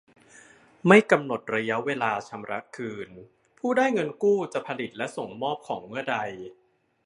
ไม่กำหนดระยะเวลาชำระคืน ผู้ได้เงินกู้จะผลิตและส่งมอบของเมื่อใด